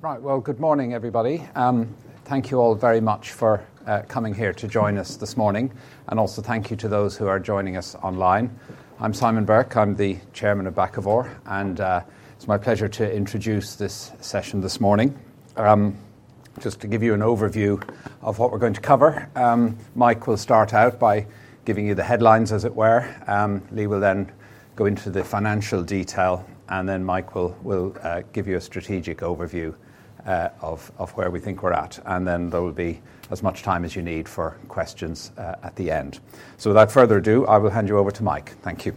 Right, good morning, everybody. Thank you all very much for coming here to join us this morning, and also thank you to those who are joining us online. I'm Simon Burke, I'm the Chairman of Bakkavor, and it's my pleasure to introduce this session this morning. Just to give you an overview of what we're going to cover, Mike will start out by giving you the headlines, as it were. Lee will then go into the financial detail, and then Mike will give you a strategic overview of where we think we're at. There will be as much time as you need for questions at the end. Without further ado, I will hand you over to Mike. Thank you.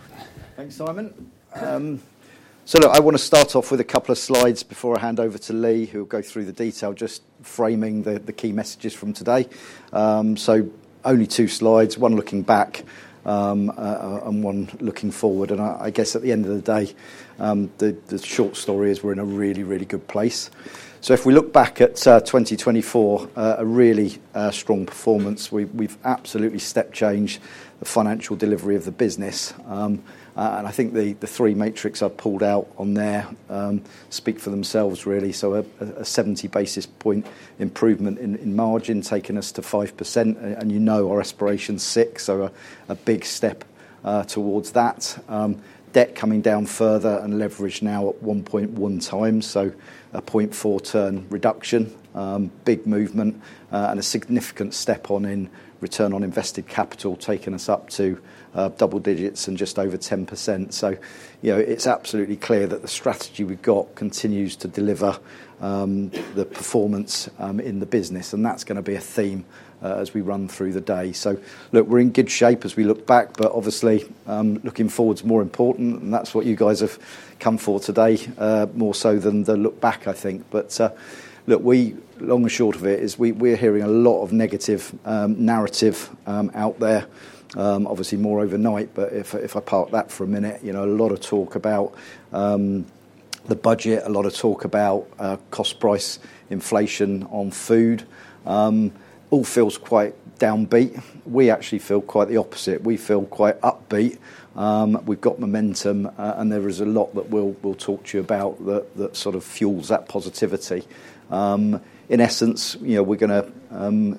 Thanks, Simon. I want to start off with a couple of slides before I hand over to Lee, who'll go through the detail, just framing the key messages from today. Only two slides, one looking back, and one looking forward. I guess at the end of the day, the short story is we're in a really, really good place. If we look back at 2024, a really strong performance, we've absolutely step-changed the financial delivery of the business. I think the three metrics I've pulled out on there speak for themselves, really. A 70 basis point improvement in margin taking us to 5%. You know our aspiration's 6%, so a big step towards that. Debt coming down further and leverage now at 1.1x, so a 0.4 turn reduction, big movement, and a significant step on in return on invested capital taking us up to double digits and just over 10%. You know, it's absolutely clear that the strategy we've got continues to deliver the performance in the business, and that's gonna be a theme as we run through the day. Look, we're in good shape as we look back, but obviously, looking forward's more important, and that's what you guys have come for today, more so than the look back, I think. Look, the long and short of it is we're hearing a lot of negative narrative out there, obviously more overnight. If I park that for a minute, you know, a lot of talk about the budget, a lot of talk about cost-price inflation on food, all feels quite downbeat. We actually feel quite the opposite. We feel quite upbeat. We've got momentum, and there is a lot that we'll talk to you about that sort of fuels that positivity. In essence, you know, we're gonna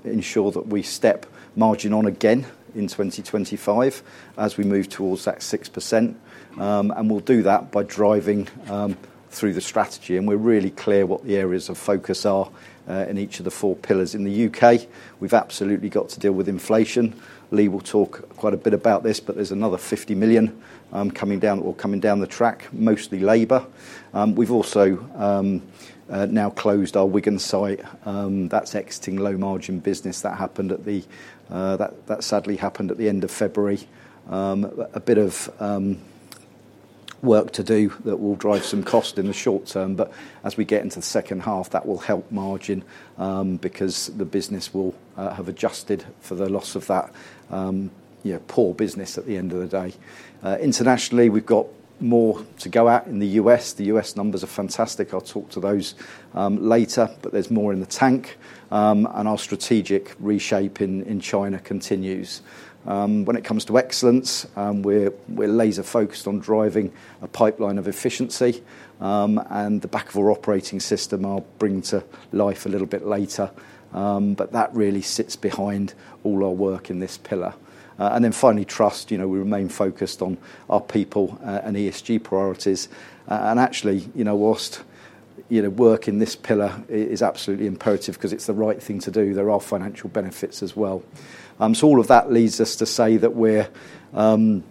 ensure that we step margin on again in 2025 as we move towards that 6%. We'll do that by driving through the strategy. We're really clear what the areas of focus are in each of the four pillars. In the U.K., we've absolutely got to deal with inflation. Lee will talk quite a bit about this, but there's another 50 million coming down the track, mostly labor. We've also now closed our Wigan site. That's exiting low-margin business. That happened at the, that sadly happened at the end of February. A bit of work to do that will drive some cost in the short term, but as we get into the second half, that will help margin, because the business will have adjusted for the loss of that, you know, poor business at the end of the day. Internationally, we've got more to go at in the US. The U.S. numbers are fantastic. I'll talk to those later, but there's more in the tank. Our strategic reshape in China continues. When it comes to excellence, we're laser-focused on driving a pipeline of efficiency. The Bakkavor Operating System I'll bring to life a little bit later. That really sits behind all our work in this pillar. And then finally, trust, you know, we remain focused on our people, and ESG priorities. And actually, you know, whilst, you know, work in this pillar is absolutely imperative 'cause it's the right thing to do, there are financial benefits as well. So all of that leads us to say that we're, you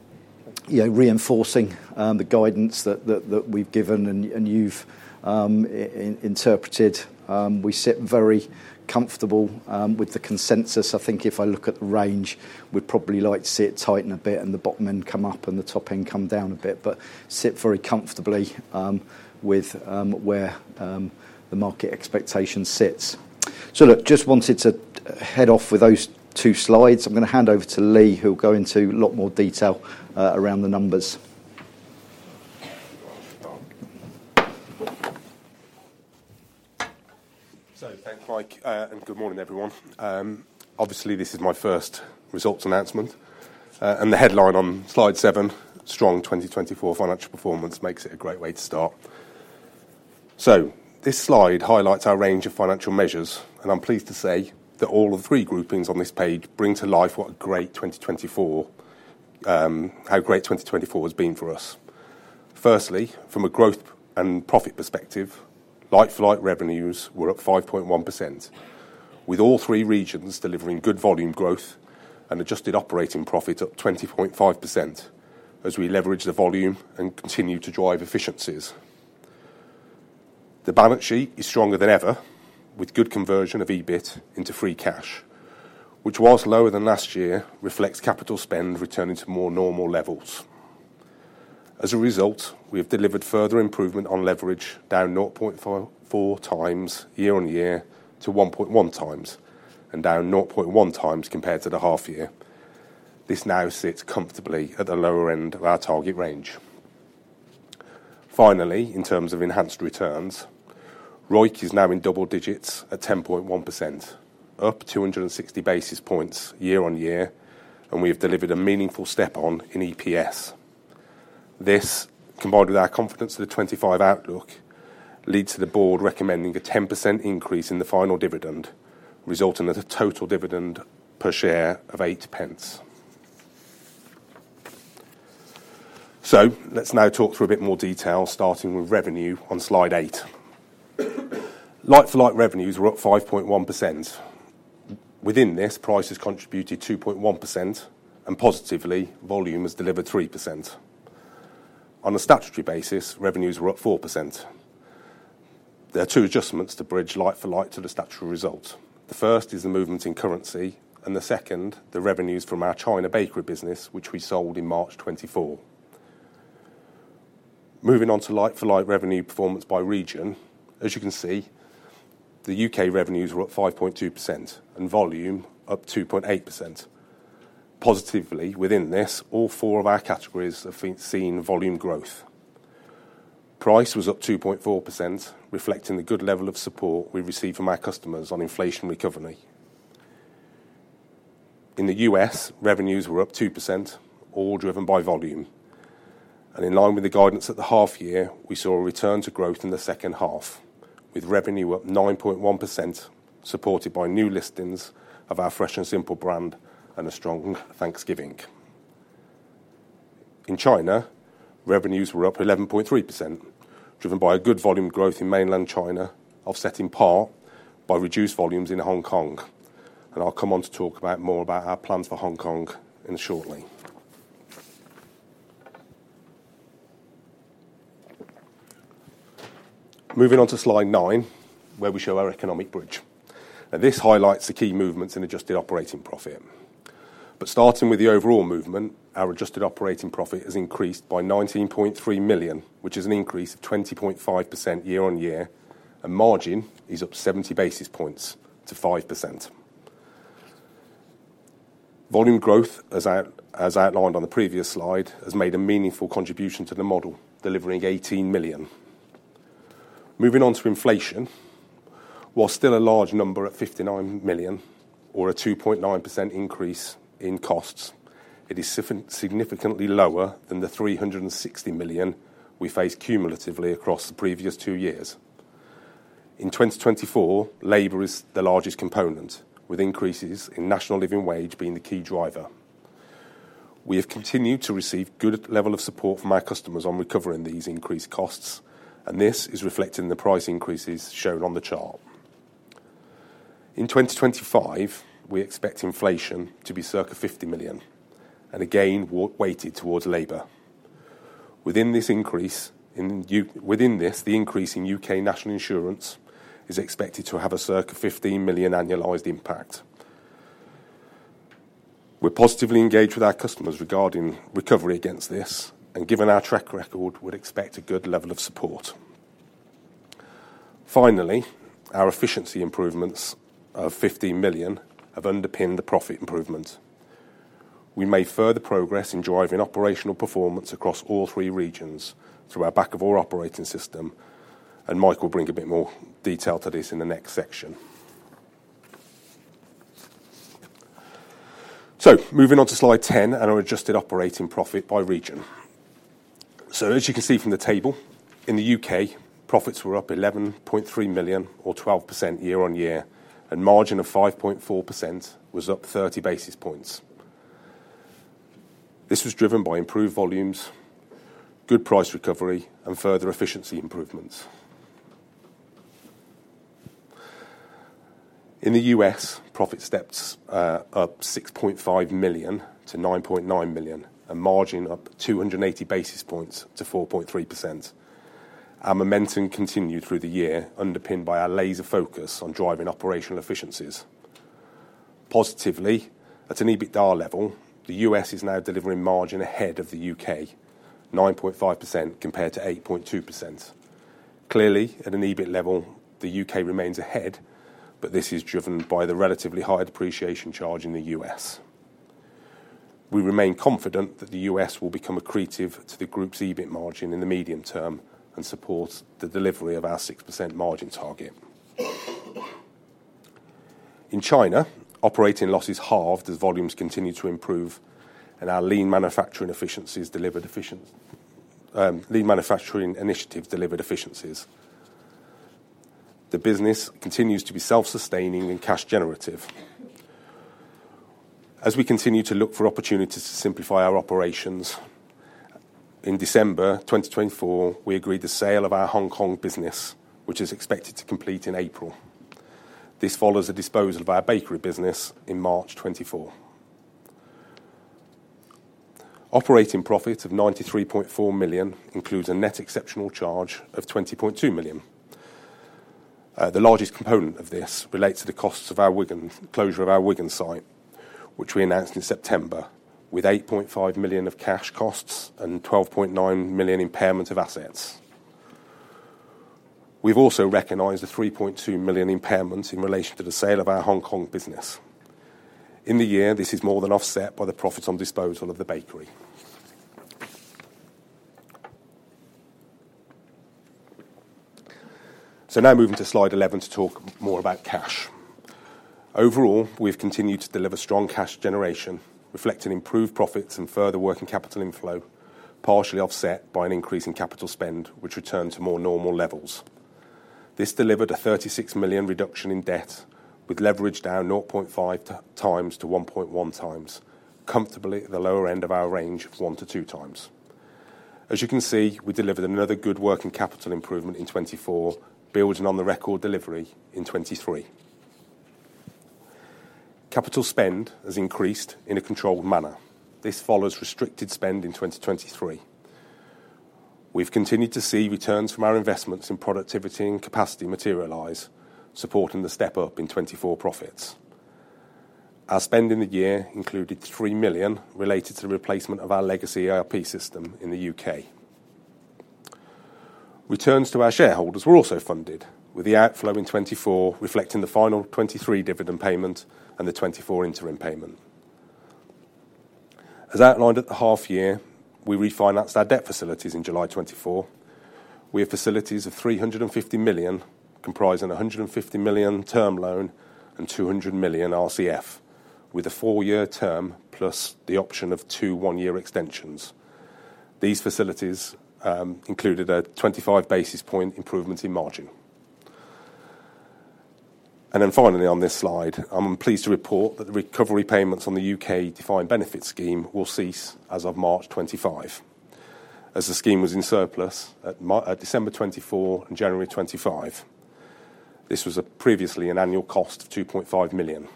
know, reinforcing the guidance that we've given and you've interpreted. We sit very comfortable with the consensus. I think if I look at the range, we'd probably like to see it tighten a bit and the bottom end come up and the top end come down a bit, but sit very comfortably with where the market expectation sits. Just wanted to head off with those two slides. I'm gonna hand over to Lee, who'll go into a lot more detail around the numbers. Thanks, Mike, and good morning, everyone. Obviously, this is my first results announcement. The headline on slide seven, strong 2024 financial performance, makes it a great way to start. This slide highlights our range of financial measures, and I'm pleased to say that all of the three groupings on this page bring to life what a great 2024, how great 2024 has been for us. Firstly, from a growth and profit perspective, like-for-like revenues were up 5.1%, with all three regions delivering good volume growth and adjusted operating profit up 20.5% as we leverage the volume and continue to drive efficiencies. The balance sheet is stronger than ever, with good conversion of EBIT into free cash, which, while lower than last year, reflects capital spend returning to more normal levels. As a result, we have delivered further improvement on leverage down 0.5x year-on-year to 1.1x and down 0.1x compared to the half year. This now sits comfortably at the lower end of our target range. Finally, in terms of enhanced returns, ROIC is now in double digits at 10.1%, up 260 basis points year-on-year, and we have delivered a meaningful step on in EPS. This, combined with our confidence of the 2025 outlook, leads to the board recommending a 10% increase in the final dividend, resulting in a total dividend per share of 0.08. Let's now talk through a bit more detail, starting with revenue on slide eight. Like-for-like revenues were up 5.1%. Within this, price has contributed 2.1%, and positively, volume has delivered 3%. On a statutory basis, revenues were up 4%. There are two adjustments to bridge like-for-like to the statutory result. The first is the movement in currency, and the second, the revenues from our China bakery business, which we sold in March 2024. Moving on to like-for-like revenue performance by region, as you can see, the U.K. revenues were up 5.2% and volume up 2.8%. Positively, within this, all four of our categories have seen volume growth. Price was up 2.4%, reflecting the good level of support we receive from our customers on inflation recovery. In the U.S., revenues were up 2%, all driven by volume. In line with the guidance at the half year, we saw a return to growth in the second half, with revenue up 9.1%, supported by new listings of our Fresh & Simple brand and a strong Thanksgiving. In China, revenues were up 11.3%, driven by a good volume growth in mainland China, offset in part by reduced volumes in Hong Kong. I will come on to talk more about our plans for Hong Kong shortly. Moving on to slide nine, where we show our economic bridge. This highlights the key movements in adjusted operating profit. Starting with the overall movement, our adjusted operating profit has increased by 19.3 million, which is an increase of 20.5% year-on-year, and margin is up 70 basis points to 5%. Volume growth, as outlined on the previous slide, has made a meaningful contribution to the model, delivering 18 million. Moving on to inflation, while still a large number at 59 million, or a 2.9% increase in costs, it is significantly lower than the 360 million we faced cumulatively across the previous two years. In 2024, labor is the largest component, with increases in National Living Wage being the key driver. We have continued to receive good level of support from our customers on recovering these increased costs, and this is reflecting the price increases shown on the chart. In 2025, we expect inflation to be circa 50 million, and again, we're weighted towards labor. Within this, the increase in U.K. National Insurance is expected to have a circa 15 million annualized impact. We're positively engaged with our customers regarding recovery against this, and given our track record, we'd expect a good level of support. Finally, our efficiency improvements of 15 million have underpinned the profit improvement. We made further progress in driving operational performance across all three regions through our Bakkavor Operating System, and Mike will bring a bit more detail to this in the next section. Moving on to slide 10 and our adjusted operating profit by region. As you can see from the table, in the U.K., profits were up 11.3 million, or 12% year-on-year, and margin of 5.4% was up 30 basis points. This was driven by improved volumes, good price recovery, and further efficiency improvements. In the U.S., profit steps up 6.5 million to 9.9 million, and margin up 280 basis points to 4.3%. Our momentum continued through the year, underpinned by our laser focus on driving operational efficiencies. Positively, at an EBITDA level, the U.S. is now delivering margin ahead of the U.K., 9.5% compared to 8.2%. Clearly, at an EBIT level, the U.K. remains ahead, but this is driven by the relatively high depreciation charge in the U.S. We remain confident that the U.S. will become accretive to the group's EBIT margin in the medium term and support the delivery of our 6% margin target. In China, operating loss is halved as volumes continue to improve, and our lean manufacturing initiatives delivered efficiencies. The business continues to be self-sustaining and cash generative. As we continue to look for opportunities to simplify our operations, in December 2024, we agreed the sale of our Hong Kong business, which is expected to complete in April. This follows a disposal of our bakery business in March 2024. Operating profit of 93.4 million includes a net exceptional charge of 20.2 million. The largest component of this relates to the costs of our Wigan site closure, which we announced in September, with 8.5 million of cash costs and 12.9 million impairment of assets. We've also recognized a 3.2 million impairment in relation to the sale of our Hong Kong business. In the year, this is more than offset by the profits on disposal of the bakery. Now moving to slide 11 to talk more about cash. Overall, we've continued to deliver strong cash generation, reflecting improved profits and further working capital inflow, partially offset by an increase in capital spend, which returned to more normal levels. This delivered a 36 million reduction in debt, with leverage down 0.5x to 1.1x, comfortably at the lower end of our range of 1x-2x. As you can see, we delivered another good working capital improvement in 2024, building on the record delivery in 2023. Capital spend has increased in a controlled manner. This follows restricted spend in 2023. We've continued to see returns from our investments in productivity and capacity materialize, supporting the step up in 2024 profits. Our spending the year included 3 million related to the replacement of our legacy ERP system in the U.K. Returns to our shareholders were also funded, with the outflow in 2024 reflecting the final 2023 dividend payment and the 2024 interim payment. As outlined at the half year, we refinanced our debt facilities in July 2024. We have facilities of 350 million, comprising a 150 million term loan and 200 million RCF, with a four-year term plus the option of two one-year extensions. These facilities included a 25 basis point improvement in margin. Finally, on this slide, I'm pleased to report that the recovery payments on the U.K. defined benefit scheme will cease as of March 2025. As the scheme was in surplus at December 2024 and January 2025, this was previously an annual cost of 2.5 million.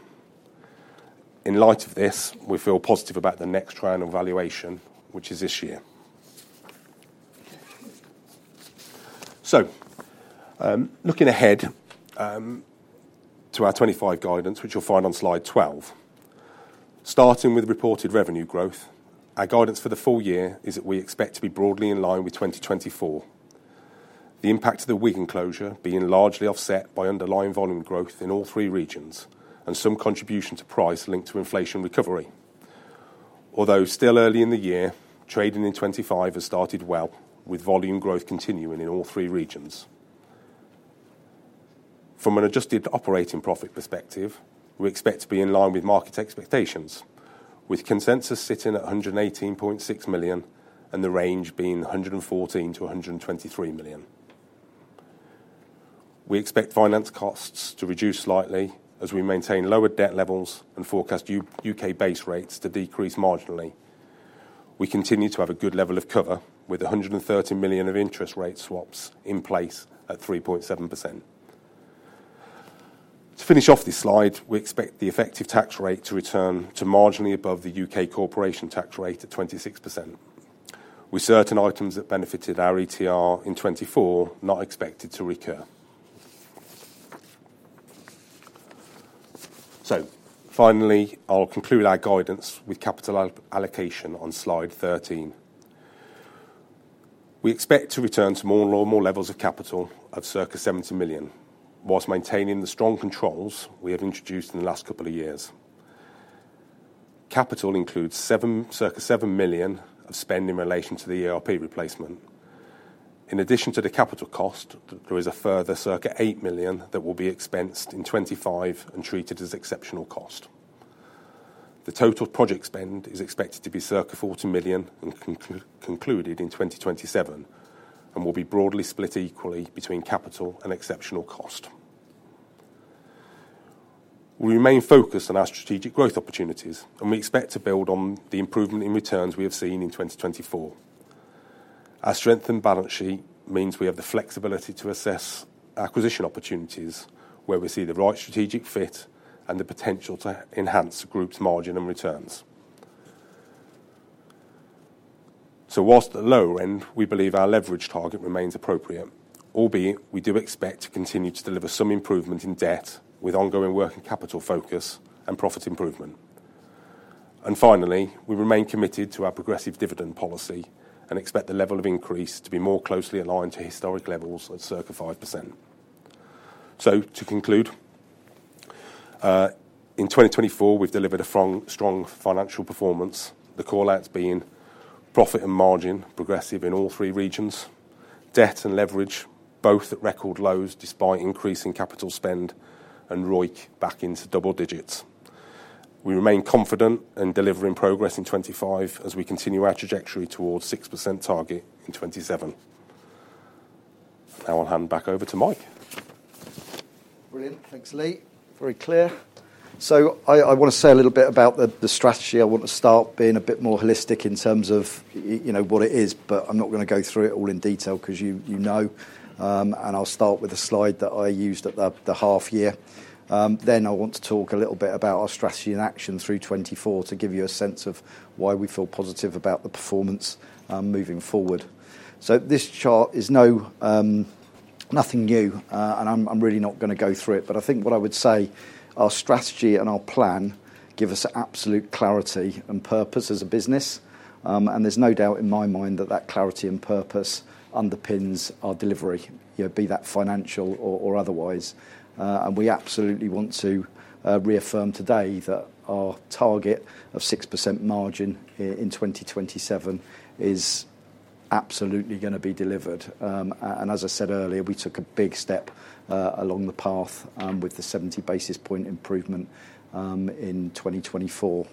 In light of this, we feel positive about the next round of valuation, which is this year. Looking ahead to our 2025 guidance, which you'll find on slide 12, starting with reported revenue growth, our guidance for the full year is that we expect to be broadly in line with 2024. The impact of the Wigan closure being largely offset by underlying volume growth in all three regions and some contribution to price linked to inflation recovery. Although still early in the year, trading in 2025 has started well, with volume growth continuing in all three regions. From an adjusted operating profit perspective, we expect to be in line with market expectations, with consensus sitting at 118.6 million and the range being 114 million-123 million. We expect finance costs to reduce slightly as we maintain lower debt levels and forecast U.K. base rates to decrease marginally. We continue to have a good level of cover, with 130 million of interest rate swaps in place at 3.7%. To finish off this slide, we expect the effective tax rate to return to marginally above the U.K. corporation tax rate at 26%, with certain items that benefited our ETR in 2024 not expected to recur. Finally, I'll conclude our guidance with capital allocation on slide 13. We expect to return to more normal levels of capital of circa 70 million, whilst maintaining the strong controls we have introduced in the last couple of years. Capital includes circa 7 million of spend in relation to the ERP replacement. In addition to the capital cost, there is a further circa 8 million that will be expensed in 2025 and treated as exceptional cost. The total project spend is expected to be circa 40 million and concluded in 2027, and will be broadly split equally between capital and exceptional cost. We remain focused on our strategic growth opportunities, and we expect to build on the improvement in returns we have seen in 2024. Our strengthened balance sheet means we have the flexibility to assess acquisition opportunities where we see the right strategic fit and the potential to enhance the group's margin and returns. Whilst at the lower end, we believe our leverage target remains appropriate, albeit we do expect to continue to deliver some improvement in debt with ongoing working capital focus and profit improvement. Finally, we remain committed to our progressive dividend policy and expect the level of increase to be more closely aligned to historic levels at circa 5%. To conclude, in 2024, we've delivered a strong financial performance, the callouts being profit and margin progressive in all three regions, debt and leverage both at record lows despite increasing capital spend, and ROIC back into double digits. We remain confident in delivering progress in 2025 as we continue our trajectory towards 6% target in 2027. Now I'll hand back over to Mike. Brilliant. Thanks, Lee. Very clear. I want to say a little bit about the strategy. I want to start being a bit more holistic in terms of, you know, what it is, but I'm not going to go through it all in detail because you know, and I'll start with a slide that I used at the half year. I want to talk a little bit about our strategy and action through 2024 to give you a sense of why we feel positive about the performance, moving forward. This chart is nothing new, and I'm really not going to go through it, but I think what I would say, our strategy and our plan give us absolute clarity and purpose as a business, and there's no doubt in my mind that that clarity and purpose underpins our delivery, you know, be that financial or otherwise. We absolutely want to reaffirm today that our target of 6% margin in 2027 is absolutely going to be delivered. As I said earlier, we took a big step along the path with the 70 basis point improvement in 2024.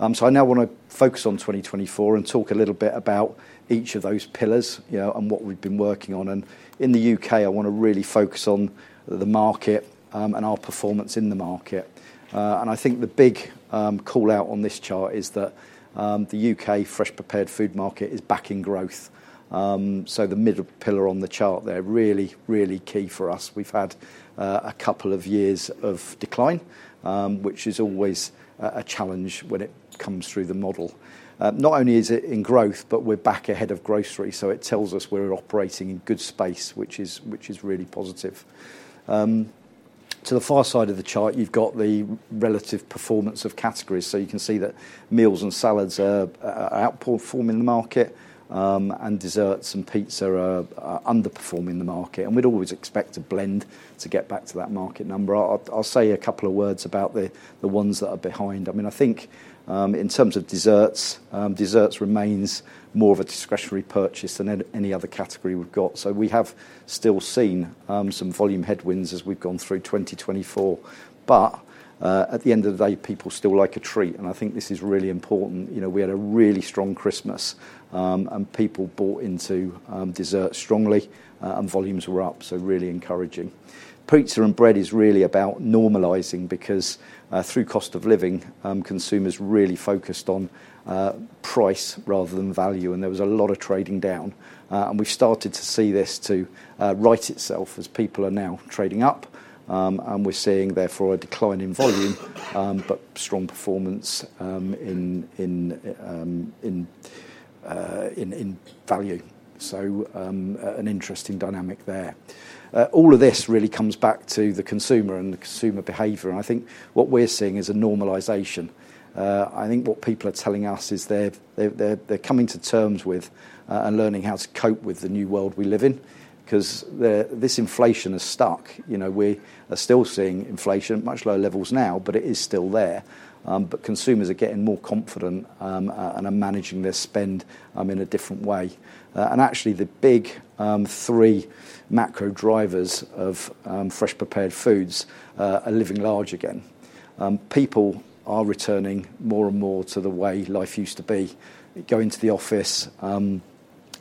I now want to focus on 2024 and talk a little bit about each of those pillars, you know, and what we've been working on. In the U.K., I want to really focus on the market and our performance in the market. I think the big callout on this chart is that the U.K. fresh prepared food market is back in growth. The middle pillar on the chart there is really, really key for us. We've had a couple of years of decline, which is always a challenge when it comes through the model. Not only is it in growth, but we're back ahead of grocery, so it tells us we're operating in good space, which is really positive. To the far side of the chart, you've got the relative performance of categories. You can see that meals and salads are outperforming the market, and desserts and pizza are underperforming the market. We'd always expect a blend to get back to that market number. I'll say a couple of words about the ones that are behind. I mean, I think, in terms of desserts, desserts remains more of a discretionary purchase than any other category we've got. We have still seen some volume headwinds as we've gone through 2024. At the end of the day, people still like a treat, and I think this is really important. You know, we had a really strong Christmas, and people bought into desserts strongly, and volumes were up, so really encouraging. Pizza and bread is really about normalizing because, through cost of living, consumers really focused on price rather than value, and there was a lot of trading down. We've started to see this write itself as people are now trading up, and we're seeing therefore a decline in volume, but strong performance in value. An interesting dynamic there. All of this really comes back to the consumer and the consumer behavior. I think what we're seeing is a normalization. I think what people are telling us is they're coming to terms with and learning how to cope with the new world we live in because this inflation is stuck. You know, we are still seeing inflation, much lower levels now, but it is still there. Consumers are getting more confident, and are managing their spend in a different way. Actually, the big three macro drivers of fresh prepared foods are living large again. People are returning more and more to the way life used to be, going to the office,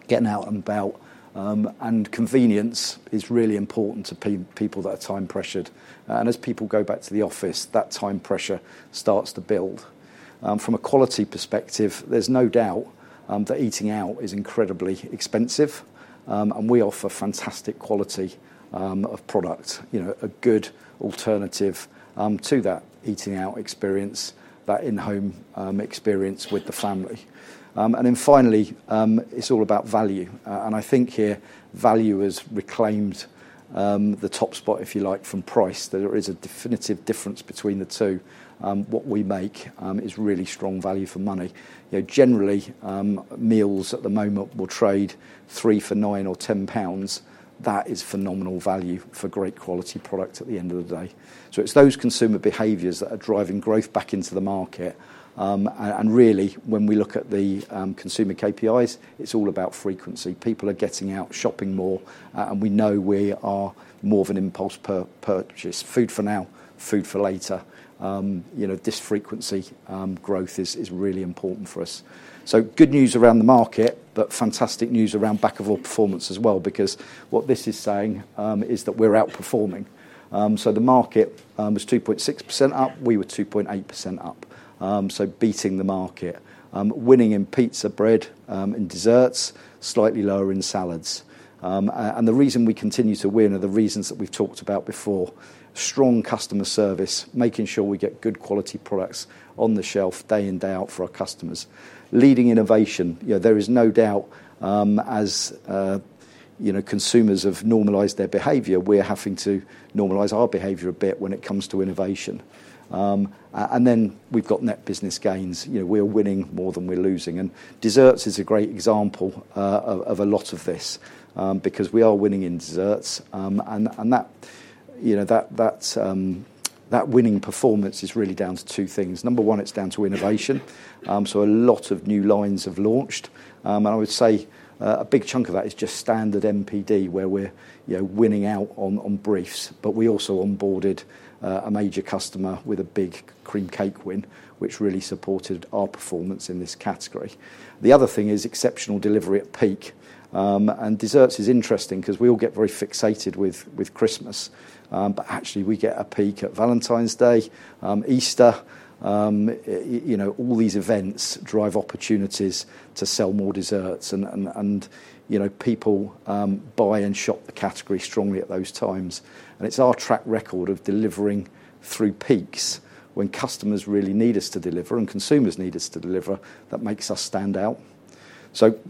getting out and about, and convenience is really important to people that are time pressured. As people go back to the office, that time pressure starts to build. From a quality perspective, there's no doubt that eating out is incredibly expensive. We offer fantastic quality of product, you know, a good alternative to that eating out experience, that in-home experience with the family. Finally, it's all about value. I think here value has reclaimed the top spot, if you like, from price, that there is a definitive difference between the two. What we make is really strong value for money. You know, generally, meals at the moment will trade 3 for 9 or 10 pounds. That is phenomenal value for great quality product at the end of the day. It's those consumer behaviors that are driving growth back into the market. Really, when we look at the consumer KPIs, it's all about frequency. People are getting out, shopping more, and we know we are more of an impulse purchase. Food for now, food for later. You know, this frequency growth is really important for us. Good news around the market, but fantastic news around Bakkavor performance as well, because what this is saying is that we're outperforming. The market was 2.6% up, we were 2.8% up. Beating the market, winning in pizza, bread, and desserts, slightly lower in salads. The reason we continue to win are the reasons that we've talked about before: strong customer service, making sure we get good quality products on the shelf day in, day out for our customers. Leading innovation, you know, there is no doubt, as you know, consumers have normalized their behavior, we're having to normalize our behavior a bit when it comes to innovation. Then we've got net business gains. You know, we're winning more than we're losing. Desserts is a great example of a lot of this, because we are winning in desserts. That winning performance is really down to two things. Number one, it's down to innovation. A lot of new lines have launched. I would say, a big chunk of that is just standard NPD where we're, you know, winning out on briefs, but we also onboarded a major customer with a big cream cake win, which really supported our performance in this category. The other thing is exceptional delivery at peak. Desserts is interesting because we all get very fixated with Christmas, but actually we get a peak at Valentine's Day, Easter. You know, all these events drive opportunities to sell more desserts and, you know, people buy and shop the category strongly at those times. It is our track record of delivering through peaks when customers really need us to deliver and consumers need us to deliver that makes us stand out.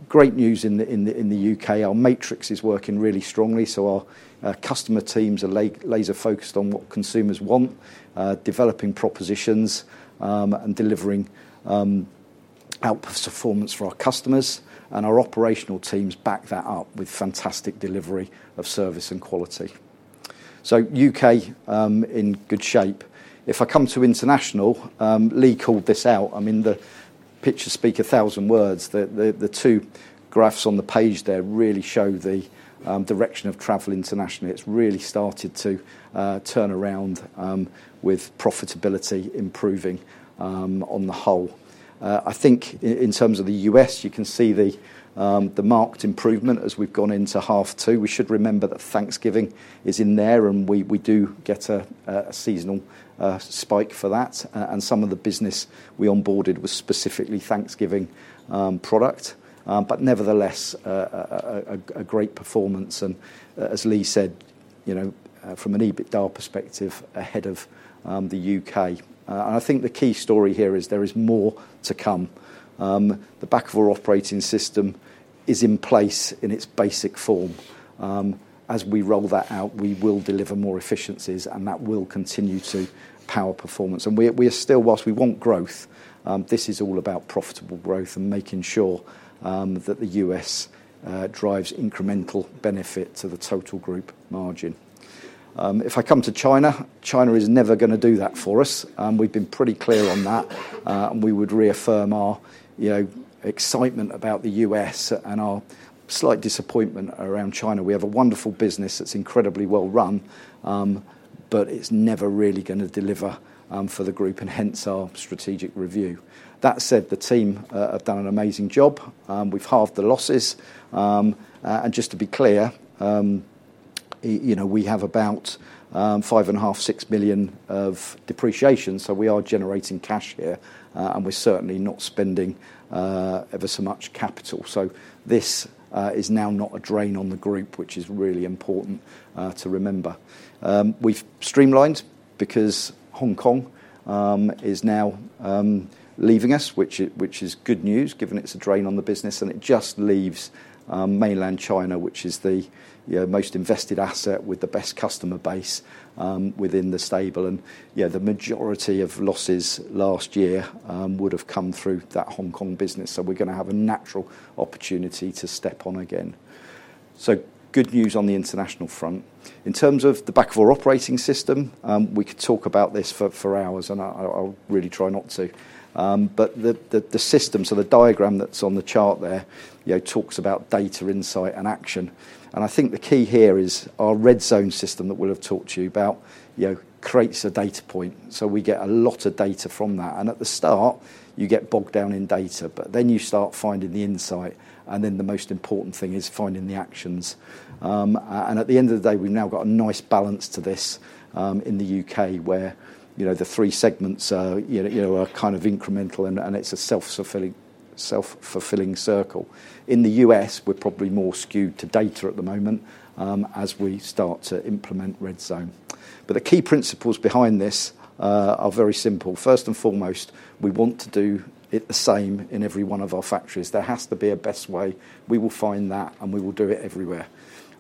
Great news in the U.K. Our matrix is working really strongly. Our customer teams are laser focused on what consumers want, developing propositions, and delivering output performance for our customers. Our operational teams back that up with fantastic delivery of service and quality. U.K., in good shape. If I come to international, Lee called this out. I mean, the picture speaks a thousand words. The two graphs on the page there really show the direction of travel internationally. It has really started to turn around, with profitability improving on the whole. I think in terms of the U.S., you can see the marked improvement as we have gone into half two. We should remember that Thanksgiving is in there and we do get a seasonal spike for that. Some of the business we onboarded was specifically Thanksgiving product. Nevertheless, a great performance. As Lee said, you know, from an EBITDA perspective ahead of the U.K. I think the key story here is there is more to come. The Bakkavor Operating System is in place in its basic form. As we roll that out, we will deliver more efficiencies and that will continue to power performance. We are still, whilst we want growth, this is all about profitable growth and making sure that the U.S. drives incremental benefit to the total group margin. If I come to China, China is never going to do that for us. We've been pretty clear on that. We would reaffirm our, you know, excitement about the U.S. and our slight disappointment around China. We have a wonderful business that's incredibly well run, but it's never really going to deliver for the group and hence our strategic review. That said, the team have done an amazing job. We've halved the losses. And just to be clear, you know, we have about 5.5 million, six million of depreciation. So we are generating cash here, and we're certainly not spending ever so much capital. This is now not a drain on the group, which is really important to remember. We've streamlined because Hong Kong is now leaving us, which is good news given it's a drain on the business. It just leaves mainland China, which is the, you know, most invested asset with the best customer base within the stable. You know, the majority of losses last year would have come through that Hong Kong business. We're going to have a natural opportunity to step on again. Good news on the international front. In terms of the Bakkavor Operating System, we could talk about this for hours and I'll really try not to. The system, so the diagram that's on the chart there, you know, talks about data insight and action. I think the key here is our Redzone system that we'll have talked to you about, you know, creates a data point. We get a lot of data from that. At the start, you get bogged down in data, but then you start finding the insight. The most important thing is finding the actions. At the end of the day, we've now got a nice balance to this, in the U.K. where, you know, the three segments, you know, are kind of incremental and it's a self-fulfilling self-fulfilling circle. In the U.S., we're probably more skewed to data at the moment, as we start to implement Redzone. The key principles behind this are very simple. First and foremost, we want to do it the same in every one of our factories. There has to be a best way. We will find that and we will do it everywhere.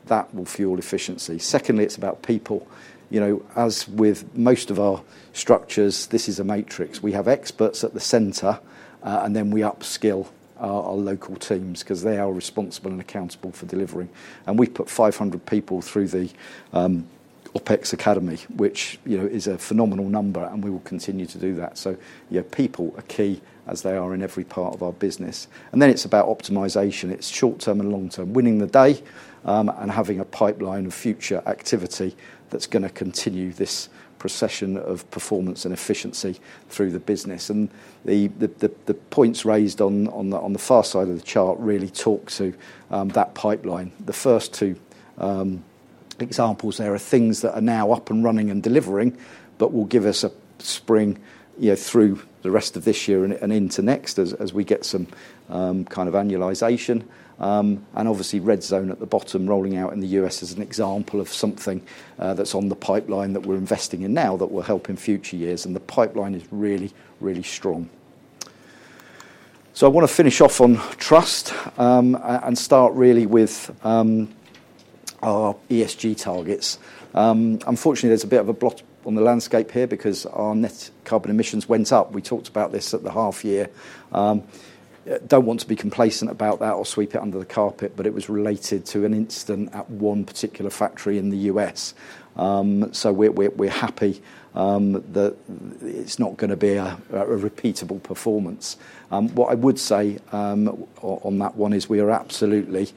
That will fuel efficiency. Secondly, it's about people. You know, as with most of our structures, this is a matrix. We have experts at the center, and then we upskill our local teams because they are responsible and accountable for delivering. We've put 500 people through the OpEx Academy, which, you know, is a phenomenal number and we will continue to do that. You know, people are key as they are in every part of our business. Then it's about optimization. It's short term and long term, winning the day, and having a pipeline of future activity that's going to continue this procession of performance and efficiency through the business. The points raised on the far side of the chart really talk to that pipeline. The first two examples there are things that are now up and running and delivering, but will give us a spring, you know, through the rest of this year and into next as we get some kind of annualization. Obviously, Redzone at the bottom rolling out in the U.S. is an example of something that's on the pipeline that we're investing in now that will help in future years. The pipeline is really, really strong. I want to finish off on trust, and start really with our ESG targets. Unfortunately, there's a bit of a blot on the landscape here because our net carbon emissions went up. We talked about this at the half year. I don't want to be complacent about that or sweep it under the carpet, but it was related to an incident at one particular factory in the US. We're happy that it's not going to be a repeatable performance. What I would say on that one is we are absolutely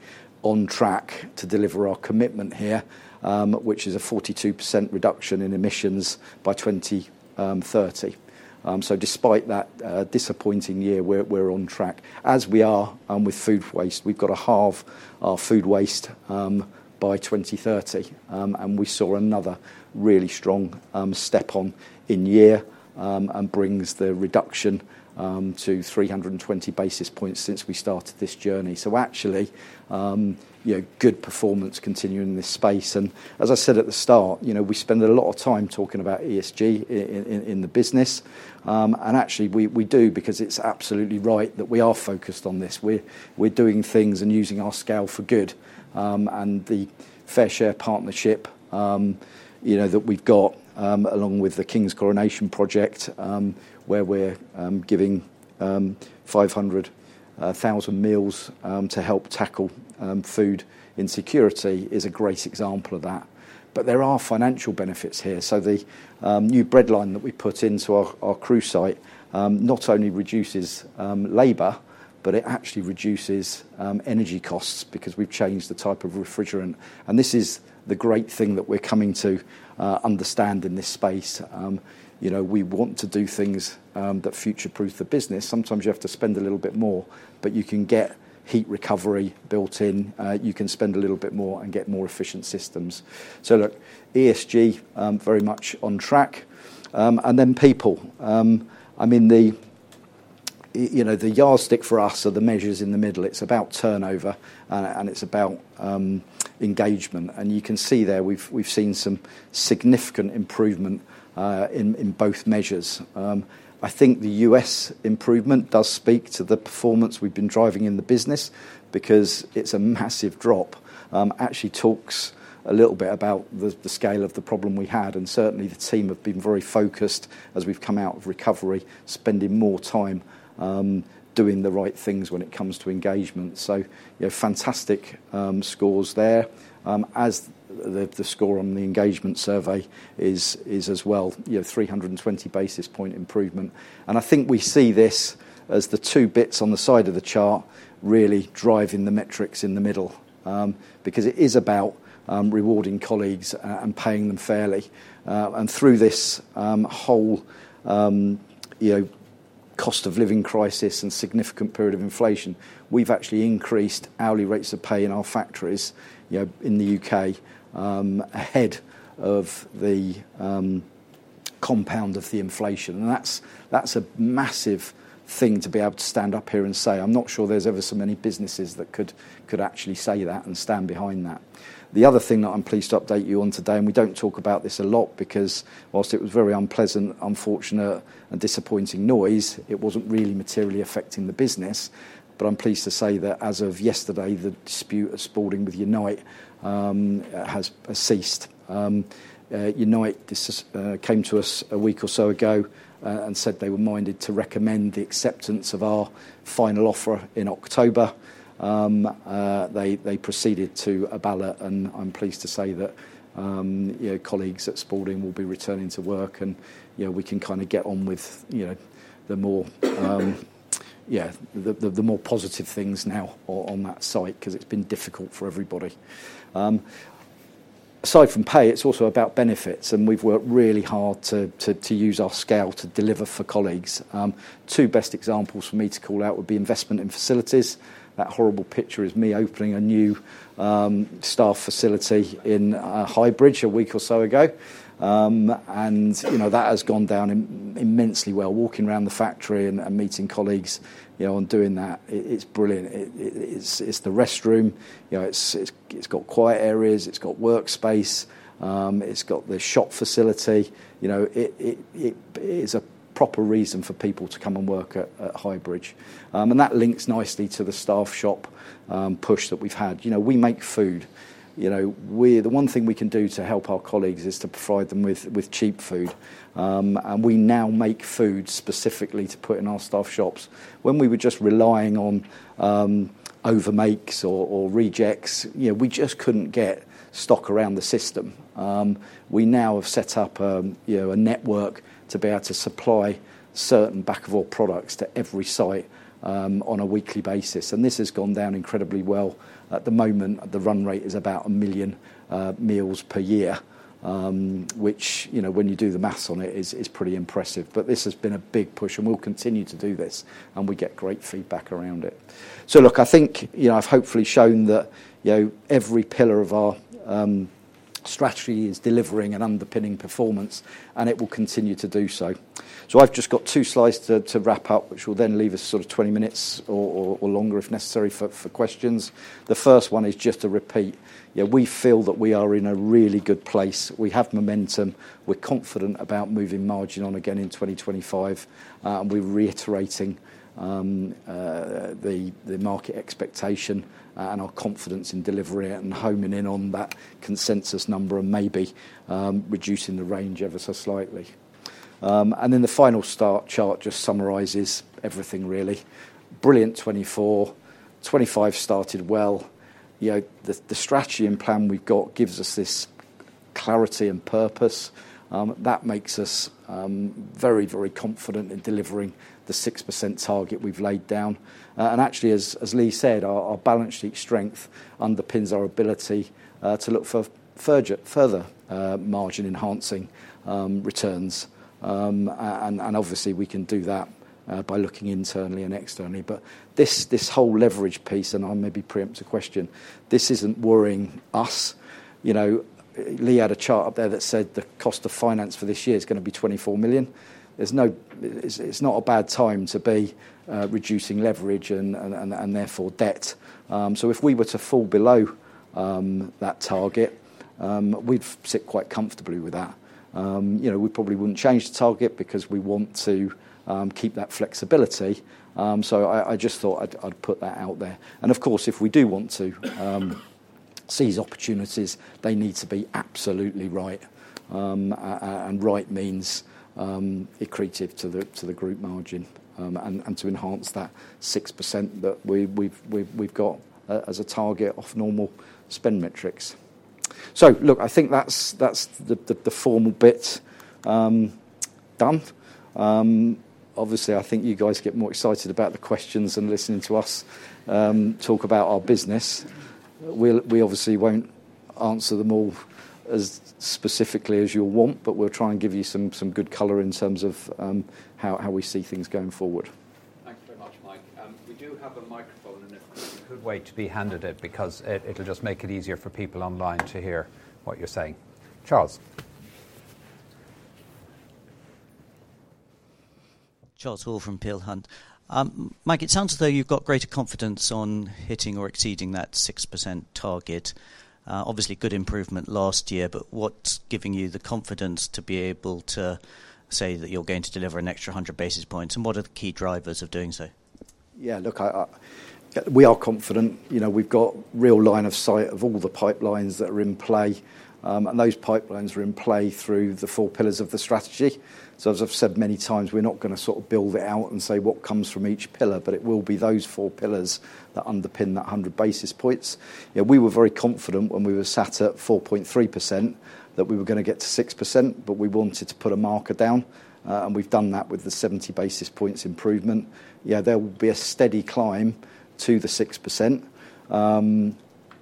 on track to deliver our commitment here, which is a 42% reduction in emissions by 2030. Despite that disappointing year, we're on track. As we are with food waste, we've got to halve our food waste by 2030. We saw another really strong step on in year, and it brings the reduction to 320 basis points since we started this journey. Actually, you know, good performance continuing in this space. As I said at the start, you know, we spend a lot of time talking about ESG in the business. Actually, we do because it's absolutely right that we are focused on this. We're doing things and using our scale for good. The FareShare partnership, you know, that we've got, along with the King's Coronation project, where we're giving 500,000 meals to help tackle food insecurity, is a great example of that. There are financial benefits here. The new bread line that we put into our Crewe site not only reduces labor, but it actually reduces energy costs because we've changed the type of refrigerant. This is the great thing that we're coming to understand in this space. You know, we want to do things that future proof the business. Sometimes you have to spend a little bit more, but you can get heat recovery built in. You can spend a little bit more and get more efficient systems. Look, ESG, very much on track. I mean, the yardstick for us are the measures in the middle. It's about turnover and it's about engagement. You can see there we've seen some significant improvement in both measures. I think the U.S. improvement does speak to the performance we've been driving in the business because it's a massive drop. Actually talks a little bit about the scale of the problem we had. Certainly the team have been very focused as we've come out of recovery, spending more time doing the right things when it comes to engagement. You know, fantastic scores there. The score on the engagement survey is as well, you know, 320 basis point improvement. I think we see this as the two bits on the side of the chart really driving the metrics in the middle, because it is about rewarding colleagues and paying them fairly. Through this whole, you know, cost of living crisis and significant period of inflation, we've actually increased hourly rates of pay in our factories, you know, in the U.K., ahead of the compound of the inflation. That's a massive thing to be able to stand up here and say. I'm not sure there's ever so many businesses that could actually say that and stand behind that. The other thing that I'm pleased to update you on today, and we don't talk about this a lot because whilst it was very unpleasant, unfortunate and disappointing noise, it wasn't really materially affecting the business. I'm pleased to say that as of yesterday, the dispute at Spalding with Unite has ceased. Unite came to us a week or so ago and said they were minded to recommend the acceptance of our final offer in October. They proceeded to a ballot and I'm pleased to say that, you know, colleagues at Spalding will be returning to work and, you know, we can kind of get on with, you know, the more, yeah, the more positive things now on that site because it's been difficult for everybody. Aside from pay, it's also about benefits and we've worked really hard to use our scale to deliver for colleagues. Two best examples for me to call out would be investment in facilities. That horrible picture is me opening a new staff facility in Highbridge a week or so ago. You know, that has gone down immensely well. Walking around the factory and meeting colleagues, you know, and doing that, it's brilliant. It's the restroom, you know, it's got quiet areas, it's got workspace, it's got the shop facility. You know, it is a proper reason for people to come and work at Highbridge. That links nicely to the staff shop push that we've had. You know, we make food. You know, the one thing we can do to help our colleagues is to provide them with cheap food. We now make food specifically to put in our staff shops. When we were just relying on overmakes or rejects, you know, we just could not get stock around the system. We now have set up, you know, a network to be able to supply certain Bakkavor products to every site on a weekly basis. This has gone down incredibly well. At the moment, the run rate is about 1 million meals per year, which, you know, when you do the maths on it, is pretty impressive. This has been a big push and we will continue to do this and we get great feedback around it. I think, you know, I've hopefully shown that, you know, every pillar of our strategy is delivering and underpinning performance and it will continue to do so. I've just got two slides to wrap up, which will then leave us sort of 20 minutes or longer if necessary for questions. The first one is just a repeat. You know, we feel that we are in a really good place. We have momentum. We're confident about moving margin on again in 2025, and we're reiterating the market expectation, and our confidence in delivery and homing in on that consensus number and maybe reducing the range ever so slightly. The final chart just summarizes everything really. Brilliant 2024, 2025 started well. You know, the strategy and plan we've got gives us this clarity and purpose. That makes us very, very confident in delivering the 6% target we have laid down. Actually, as Lee said, our balance sheet strength underpins our ability to look for further, further margin enhancing returns. Obviously, we can do that by looking internally and externally. This whole leverage piece, and I maybe preempt a question, this is not worrying us. You know, Lee had a chart up there that said the cost of finance for this year is going to be 24 million. It is not a bad time to be reducing leverage and therefore debt. If we were to fall below that target, we would sit quite comfortably with that. You know, we probably would not change the target because we want to keep that flexibility. I just thought I would put that out there. Of course, if we do want to seize opportunities, they need to be absolutely right. Right means, equitative to the group margin, and to enhance that 6% that we've got as a target of normal spend metrics. Look, I think that's the formal bit done. Obviously, I think you guys get more excited about the questions and listening to us talk about our business. We obviously won't answer them all as specifically as you'll want, but we'll try and give you some good color in terms of how we see things going forward. We do have a microphone. A good way to be handed it because it'll just make it easier for people online to hear what you're saying. Charles. Charles Hall from Peel Hunt. Mike, it sounds as though you've got greater confidence on hitting or exceeding that 6% target. Obviously good improvement last year, but what's giving you the confidence to be able to say that you're going to deliver an extra 100 basis points and what are the key drivers of doing so? Yeah, look, we are confident. You know, we've got real line of sight of all the pipelines that are in play. Those pipelines are in play through the four pillars of the strategy. As I've said many times, we're not going to sort of build it out and say what comes from each pillar, but it will be those four pillars that underpin that 100 basis points. You know, we were very confident when we were sat at 4.3% that we were going to get to 6%, but we wanted to put a marker down and we've done that with the 70 basis points improvement. Yeah, there will be a steady climb to the 6%.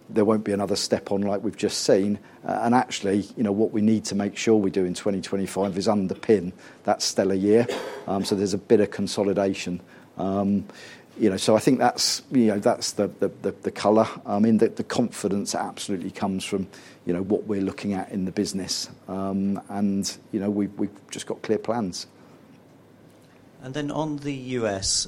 There won't be another step on like we've just seen. Actually, you know, what we need to make sure we do in 2025 is underpin that stellar year. So there's a bit of consolidation. You know, so I think that's, you know, that's the color. I mean, the confidence absolutely comes from, you know, what we're looking at in the business. And, you know, we've just got clear plans. And then on the U.S.,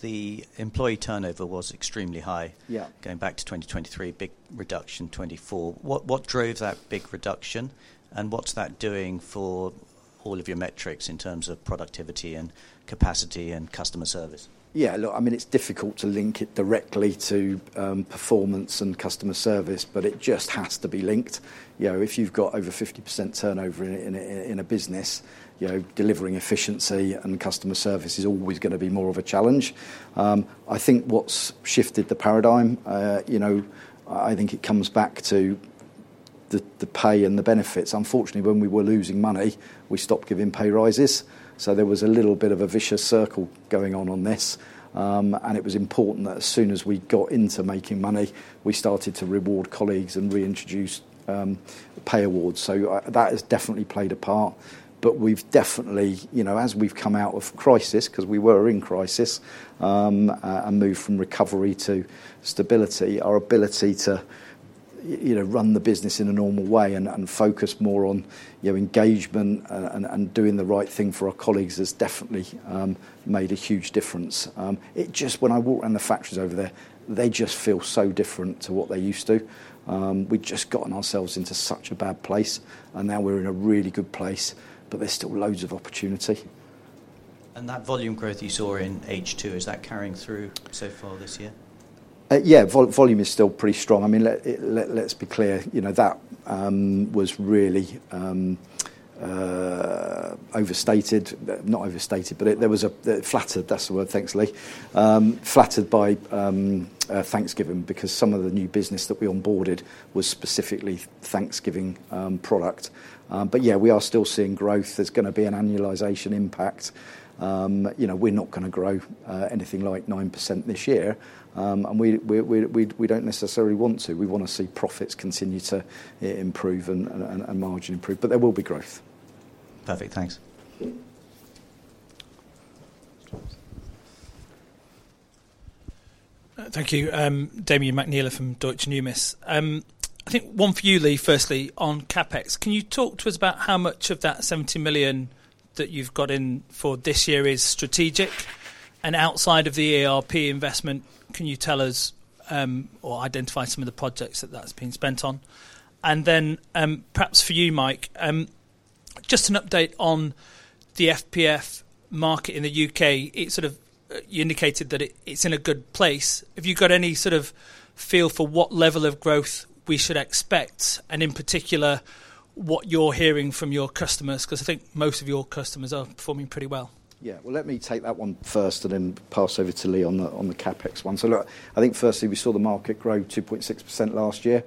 the employee turnover was extremely high. Yeah, going back to 2023, big reduction 24. What drove that big reduction and what's that doing for all of your metrics in terms of productivity and capacity and customer service? Yeah, look, I mean, it's difficult to link it directly to performance and customer service, but it just has to be linked. You know, if you've got over 50% turnover in a business, you know, delivering efficiency and customer service is always going to be more of a challenge. I think what's shifted the paradigm, you know, I think it comes back to the pay and the benefits. Unfortunately, when we were losing money, we stopped giving pay rises. There was a little bit of a vicious circle going on this. It was important that as soon as we got into making money, we started to reward colleagues and reintroduce pay awards. That has definitely played a part. We have definitely, you know, as we have come out of crisis, because we were in crisis, and moved from recovery to stability, our ability to, you know, run the business in a normal way and focus more on, you know, engagement and doing the right thing for our colleagues has definitely made a huge difference. It just, when I walk around the factories over there, they just feel so different to what they used to. We have just gotten ourselves into such a bad place and now we are in a really good place, but there is still loads of opportunity. That volume growth you saw in H2, is that carrying through so far this year? Yeah, volume is still pretty strong. I mean, let's be clear, you know, that was really overstated. Not overstated, but there was a flattered, that's the word, thanks Lee, flattered by Thanksgiving because some of the new business that we onboarded was specifically Thanksgiving product. But yeah, we are still seeing growth. There's going to be an annualization impact. You know, we're not going to grow anything like 9% this year. We don't necessarily want to. We want to see profits continue to improve and margin improve, but there will be growth. Perfect, thanks. Thank you. Damian McNeela from Deutsche Numis. I think one for you, Lee, firstly on CapEx. Can you talk to us about how much of that 70 million that you've got in for this year is strategic? And outside of the ERP investment, can you tell us, or identify some of the projects that that's been spent on? Perhaps for you, Mike, just an update on the FPF market in the U.K. It sort of, you indicated that it's in a good place. Have you got any sort of feel for what level of growth we should expect? In particular, what you're hearing from your customers, because I think most of your customers are performing pretty well. Yeah, let me take that one first and then pass over to Lee on the CapEx one. Look, I think firstly we saw the market grow 2.6% last year.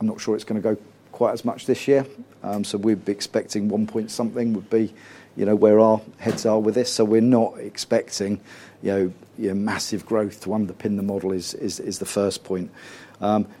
I'm not sure it's going to go quite as much this year. We're expecting one point something would be, you know, where our heads are with this. We're not expecting, you know, massive growth to underpin the model is the first point.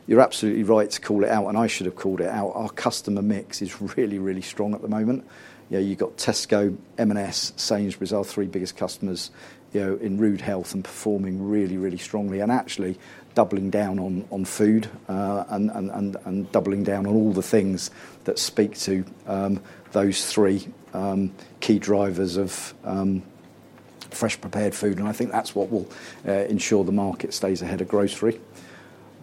You're absolutely right to call it out, and I should have called it out. Our customer mix is really, really strong at the moment. You know, you've got Tesco, M&S, Sainsbury's, three biggest customers, you know, in rude health and performing really, really strongly and actually doubling down on food, and doubling down on all the things that speak to those three key drivers of fresh prepared food. I think that's what will ensure the market stays ahead of grocery.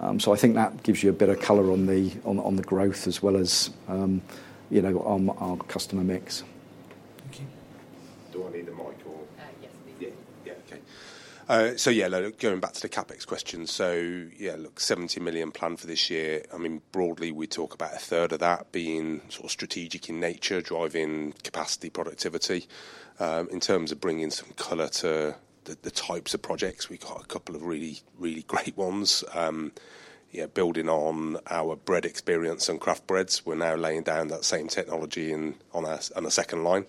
I think that gives you a bit of color on the growth as well as, you know, on our customer mix. Thank you. Do I need the mic or? Yeah, yeah, okay. Yeah, look, going back to the CapEx question. Yeah, look, 70 million planned for this year. I mean, broadly, we talk about a third of that being sort of strategic in nature, driving capacity, productivity, in terms of bringing some color to the types of projects. We've got a couple of really, really great ones. You know, building on our bread experience and craft breads, we're now laying down that same technology on a second line.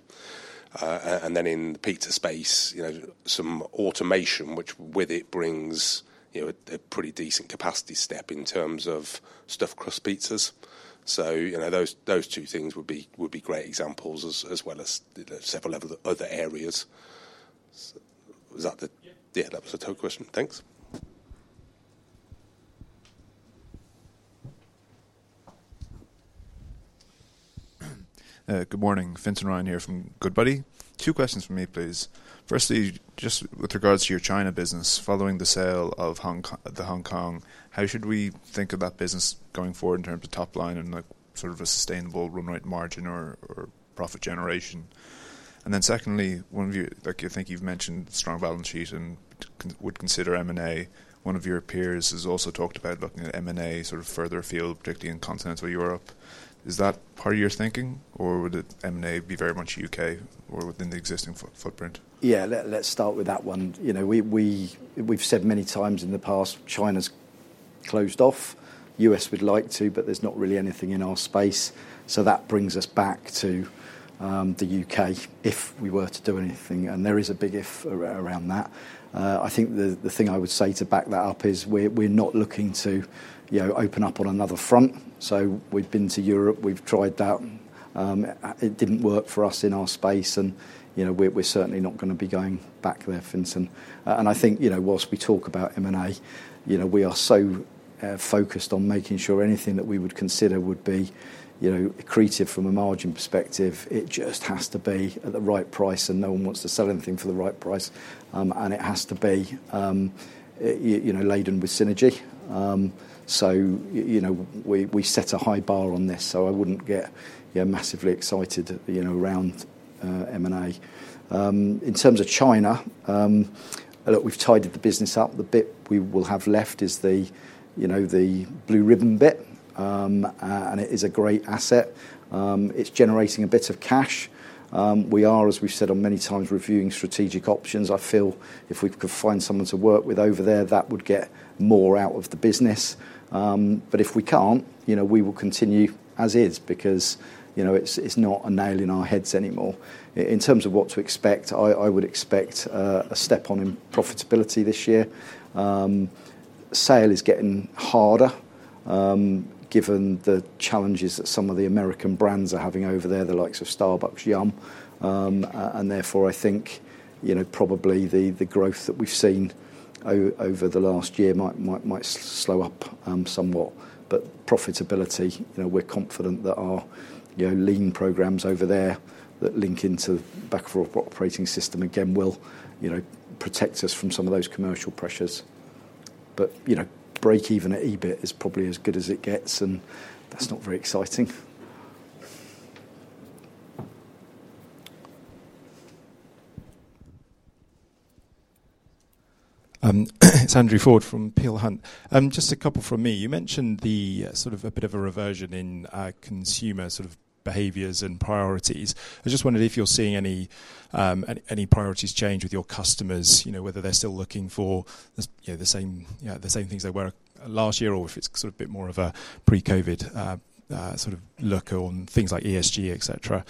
In the pizza space, you know, some automation, which with it brings, you know, a pretty decent capacity step in terms of stuffed crust pizzas. You know, those two things would be great examples as well as several other areas. Was that the, yeah, that was a tough question. Thanks. Good morning, Vincent Ryan here from Goodbody. Two questions for me, please. Firstly, just with regards to your China business, following the sale of Hong Kong, how should we think of that business going forward in terms of top line and like sort of a sustainable room rate margin or profit generation? Secondly, one of you, like you think you've mentioned strong balance sheet and would consider M&A. One of your peers has also talked about looking at M&A sort of further afield, particularly in continental Europe. Is that part of your thinking or would M&A be very much U.K. or within the existing footprint? Yeah, let's start with that one. You know, we've said many times in the past, China's closed off. U.S. would like to, but there's not really anything in our space. That brings us back to the U.K. if we were to do anything. There is a big if around that. I think the thing I would say to back that up is we're not looking to, you know, open up on another front. We have been to Europe, we have tried that. It did not work for us in our space. You know, we are certainly not going to be going back there, Vincent. I think, you know, whilst we talk about M&A, we are so focused on making sure anything that we would consider would be, you know, accretive from a margin perspective. It just has to be at the right price and no one wants to sell anything for the right price. It has to be, you know, laden with synergy. You know, we set a high bar on this. I would not get, you know, massively excited, you know, around M&A. In terms of China, look, we've tidied the business up. The bit we will have left is the, you know, the blue ribbon bit. And it is a great asset. It's generating a bit of cash. We are, as we've said on many times, reviewing strategic options. I feel if we could find someone to work with over there, that would get more out of the business. If we can't, you know, we will continue as is because, you know, it's not a nail in our heads anymore. In terms of what to expect, I would expect a step on in profitability this year. Sale is getting harder, given the challenges that some of the American brands are having over there, the likes of Starbucks, Yum. Therefore, I think, you know, probably the growth that we've seen over the last year might slow up somewhat. Profitability, you know, we're confident that our, you know, lean programs over there that link into the Bakkavor Operating System again will, you know, protect us from some of those commercial pressures. Break-even at EBIT is probably as good as it gets, and that's not very exciting. It's Andrew Ford from Peel Hunt. Just a couple from me. You mentioned the sort of a bit of a reversion in consumer sort of behaviors and priorities. I just wondered if you're seeing any priorities change with your customers, you know, whether they're still looking for, you know, the same, you know, the same things they were last year or if it's sort of a bit more of a pre-COVID, sort of look on things like ESG, etc.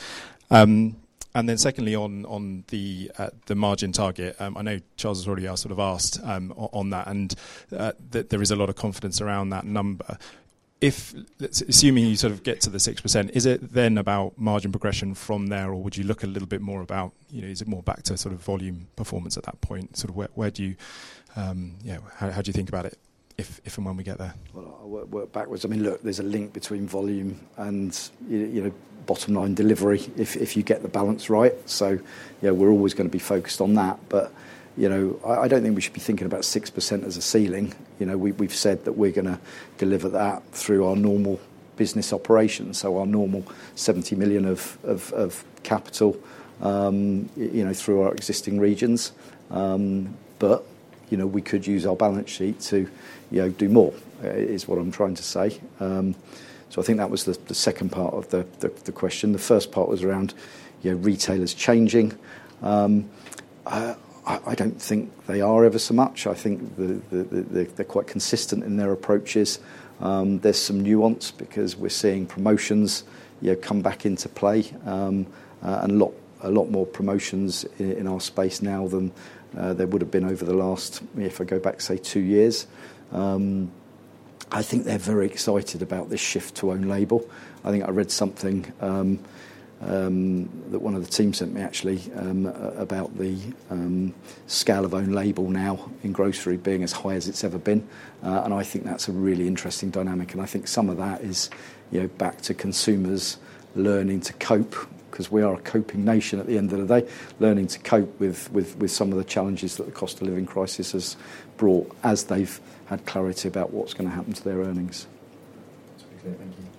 and then secondly on the margin target, I know Charles has already sort of asked on that and that there is a lot of confidence around that number. If assuming you sort of get to the 6%, is it then about margin progression from there or would you look a little bit more about, you know, is it more back to sort of volume performance at that point? Sort of where do you, you know, how do you think about it if if and when we get there? I work backwards. I mean, look, there's a link between volume and, you know, bottom line delivery if you get the balance right. So, you know, we're always going to be focused on that. But, you know, I don't think we should be thinking about 6% as a ceiling. You know, we've said that we're going to deliver that through our normal business operations. So our normal 70 million of capital, you know, through our existing regions. But, you know, we could use our balance sheet to, you know, do more is what I'm trying to say. So I think that was the second part of the question. The first part was around, you know, retailers changing. I don't think they are ever so much. I think they're quite consistent in their approaches. There's some nuance because we're seeing promotions, you know, come back into play. A lot more promotions in our space now than there would have been over the last, if I go back, say, two years. I think they're very excited about this shift to own label. I think I read something, that one of the teams sent me actually, about the scale of own label now in grocery being as high as it's ever been. I think that's a really interesting dynamic. I think some of that is, you know, back to consumers learning to cope, because we are a coping nation at the end of the day, learning to cope with some of the challenges that the cost of living crisis has brought as they've had clarity about what's going to happen to their earnings. That's very clear. Thank you.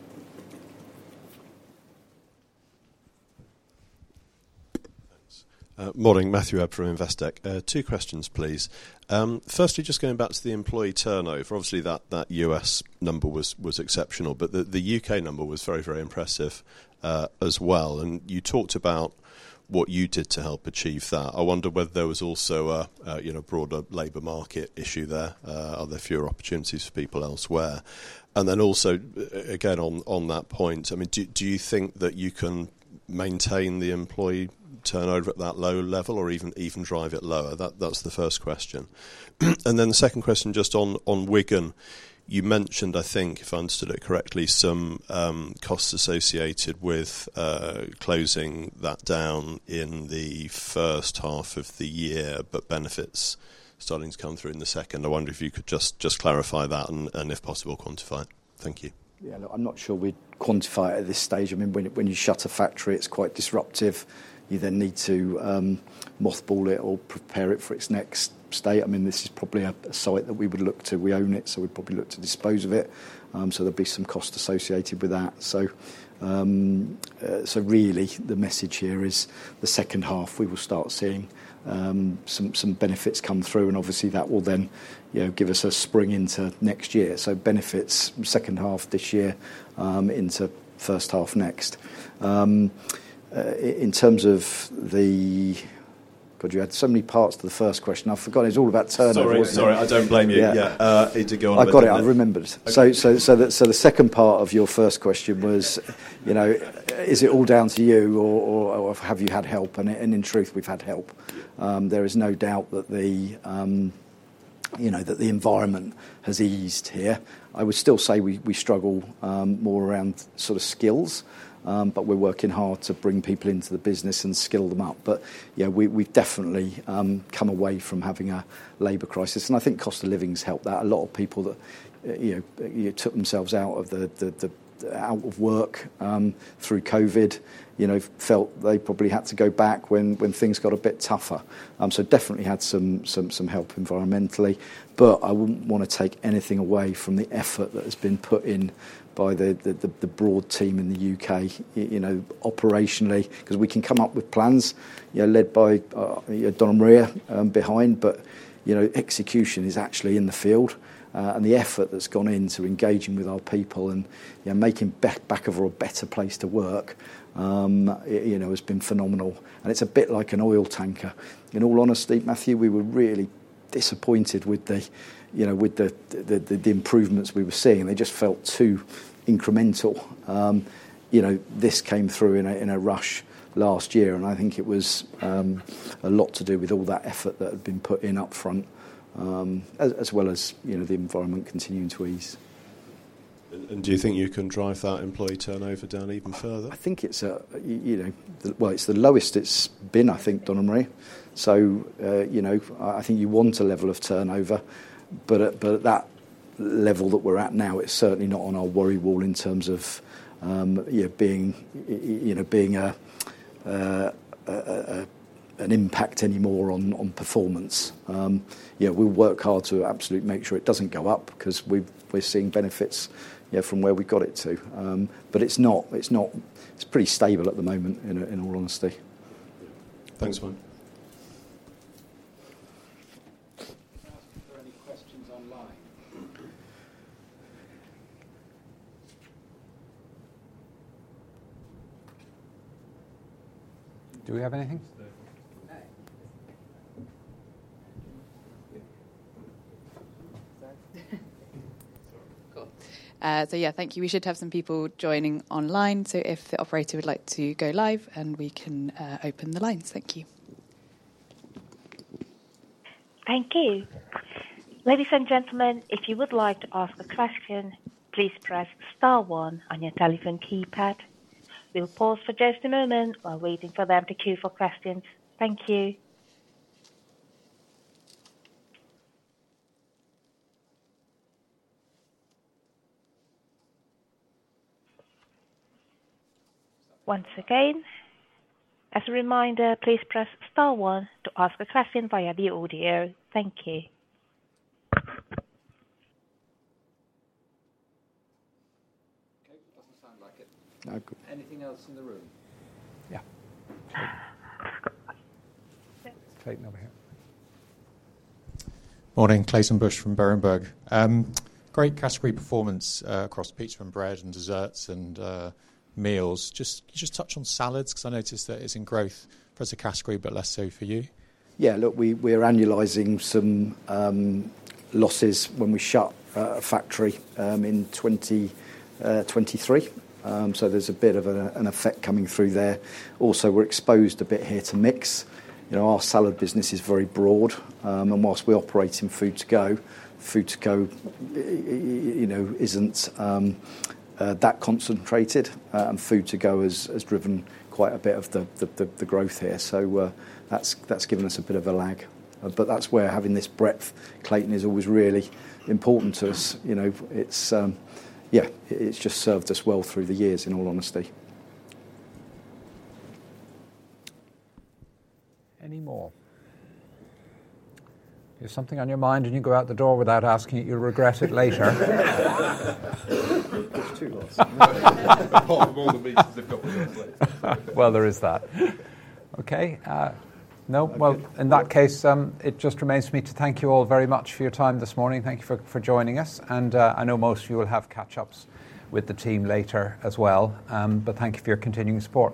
Thanks. Morning, Matthew Webb from Investec. Two questions, please. Firstly, just going back to the employee turnover, obviously that U.S. number was exceptional, but the U.K. number was very, very impressive as well. You talked about what you did to help achieve that. I wonder whether there was also a, you know, broader labor market issue there. Are there fewer opportunities for people elsewhere? Also, again, on that point, I mean, do you think that you can maintain the employee turnover at that low level or even drive it lower? That is the first question. The second question, just on Wigan, you mentioned, I think, if I understood it correctly, some costs associated with closing that down in the first half of the year, but benefits starting to come through in the second. I wonder if you could just clarify that and, if possible, quantify. Thank you. Yeah, look, I'm not sure we'd quantify it at this stage. I mean, when you shut a factory, it's quite disruptive. You then need to mothball it or prepare it for its next state. I mean, this is probably a site that we would look to. We own it, so we'd probably look to dispose of it. There will be some cost associated with that. Really the message here is the second half, we will start seeing some benefits come through and obviously that will then, you know, give us a spring into next year. Benefits second half this year, into first half next. In terms of the, God, you had so many parts to the first question. I've forgotten. It's all about turnover. Sorry, sorry, I don't blame you. Yeah, it did go on. I got it. I remembered. The second part of your first question was, you know, is it all down to you or have you had help? In truth, we've had help. There is no doubt that the environment has eased here. I would still say we struggle more around sort of skills, but we're working hard to bring people into the business and skill them up. You know, we've definitely come away from having a labor crisis. I think cost of living has helped that. A lot of people that, you know, took themselves out of work through COVID, you know, felt they probably had to go back when things got a bit tougher. So definitely had some help environmentally. I would not want to take anything away from the effort that has been put in by the broad team in the U.K., you know, operationally, because we can come up with plans, you know, led by, you know, Donna-Maria behind, but, you know, execution is actually in the field. The effort that has gone into engaging with our people and, you know, making Bakkavor a better place to work, you know, has been phenomenal. It is a bit like an oil tanker. In all honesty, Matthew, we were really disappointed with the, you know, with the improvements we were seeing. They just felt too incremental. You know, this came through in a rush last year. I think it was a lot to do with all that effort that had been put in upfront, as well as, you know, the environment continuing to ease. Do you think you can drive that employee turnover down even further? I think it's a, you know, well, it's the lowest it's been, I think, Donna-Maria. You know, I think you want a level of turnover, but at that level that we're at now, it's certainly not on our worry wall in terms of, you know, being, you know, being an impact anymore on performance. You know, we work hard to absolutely make sure it doesn't go up because we're seeing benefits, you know, from where we got it to. It's not, it's not, it's pretty stable at the moment, in all honesty. Yeah, thanks, Mike. Asking for any questions online. Do we have anything? Cool. Yeah, thank you. We should have some people joining online. If the operator would like to go live, we can open the lines. Thank you. Thank you. Ladies and gentlemen, if you would like to ask a question, please press star one on your telephone keypad. We'll pause for just a moment while waiting for them to queue for questions. Thank you. Once again, as a reminder, please press star one to ask a question via the audio. Thank you. Okay, doesn't sound like it. Okay. Anything else in the room? Yeah. Take another hit. Morning, Clayton Bush] from Berenberg. Great category performance, across pizza and bread and desserts and meals. Just touch on salads because I noticed that it's in growth as a category, but less so for you. Yeah, look, we were annualizing some losses when we shut a factory in 2023. There's a bit of an effect coming through there. Also, we're exposed a bit here to mix. You know, our salad business is very broad, and whilst we operate in food to go, food to go isn't that concentrated. Food to go has driven quite a bit of the growth here. That's given us a bit of a lag. That's where having this breadth, Clayton, is always really important to us. You know, it's just served us well through the years, in all honesty. Any more? If something is on your mind and you go out the door without asking it, you'll regret it later. It's too lost. Part of all the meat they've got with them. There is that. Okay. No, in that case, it just remains for me to thank you all very much for your time this morning. Thank you for joining us. I know most of you will have catch-ups with the team later as well. Thank you for your continuing support.